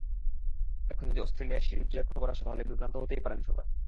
এখন যদি অস্ট্রেলিয়ার সিরিজ জয়ের খবর আসে, তাহলে বিভ্রান্ত হতেই পারেন সবাই।